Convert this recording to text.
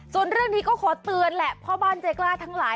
ส่วนเรื่องนี้ก็ขอเตือนแหละพ่อบ้านใจกล้าทั้งหลาย